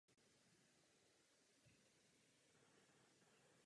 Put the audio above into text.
Později se v církevním semináři v Petrohradě stal profesorem matematiky a fyziky.